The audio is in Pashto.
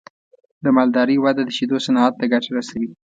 د مالدارۍ وده د شیدو صنعت ته ګټه رسوي.